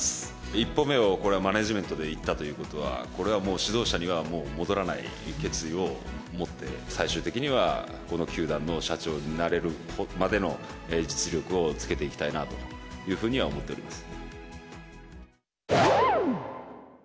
一歩目をマネジメントでいったということは、これはもう指導者にはもう戻らない決意を持って、最終的にはこの球団の社長になれるまでの実力をつけていきたいなというふうには思っております。